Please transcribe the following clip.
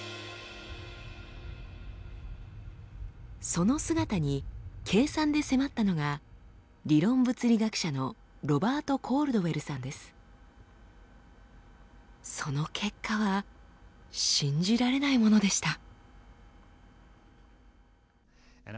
その姿に計算で迫ったのが理論物理学者のその結果は信じられないものでした。